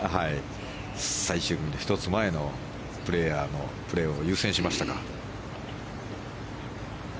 最終組の１つ前のプレーヤーのプレーを優先しましたか。